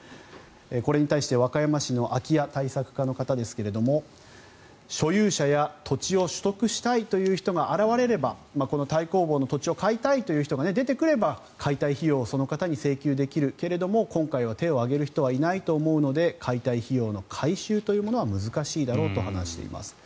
これに対して、和歌山市の空家対策課の方ですが所有者や土地を取得したいという人が現れればこの太公望の土地を買いたいという人が出てくれば解体費用をその人に請求できるけど今回は手を挙げる人はいないと思うので解体費用の回収というのは難しいだろうと話しています。